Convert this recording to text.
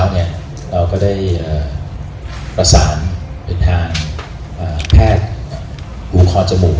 เราก็ได้ประสานเป็นทางแพทย์ผูกคอจมูก